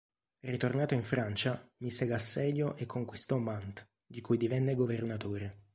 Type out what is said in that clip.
Ritornato in Francia mise l'assedio e conquistò Mantes, di cui divenne governatore.